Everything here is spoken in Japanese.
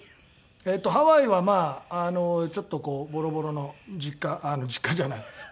えっとハワイはまあちょっとこうボロボロの実家実家じゃない別荘があります。